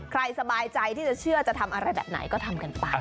ใครสบายใจจะทำอย่างไรคือกันไป